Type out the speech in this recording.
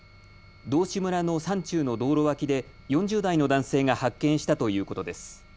道志村の山中の道路脇で４０代の男性が発見したということです。